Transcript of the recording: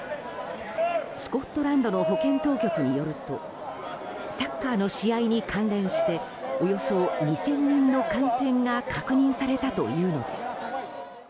スコットランドの保健当局によるとサッカーの試合に関連しておよそ２０００人の感染が確認されたというのです。